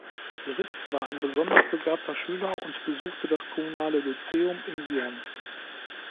Ritz war ein besonders begabter Schüler und besuchte das kommunale Lyzeum in Sion.